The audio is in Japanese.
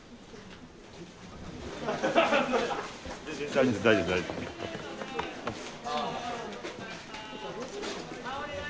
大丈夫大丈夫大丈夫です。